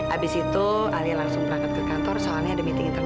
abis itu alia langsung berangkat ke kantor soalnya ada meeting interne